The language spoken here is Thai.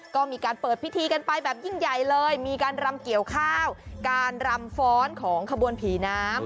ก็มีการเปิดพิธีกันไปแบบยิ่งใหญ่เลยมีการรำเกี่ยวข้าวการรำฟ้อนของขบวนผีน้ำ